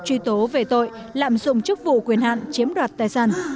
truy tố về tội lạm dụng chức vụ quyền hạn chiếm đoạt tài sản